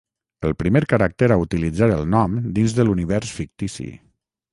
El primer caràcter a utilitzar el nom dins de l'univers fictici.